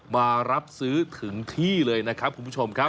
มารับซื้อถึงที่เลยนะครับคุณผู้ชมครับ